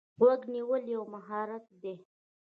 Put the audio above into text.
غوږ نیول یو مهارت دی.